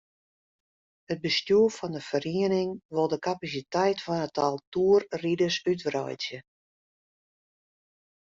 It bestjoer fan de feriening wol de kapasiteit fan it tal toerriders útwreidzje.